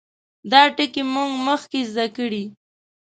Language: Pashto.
دا ټګي موږ مخکې زده کړې.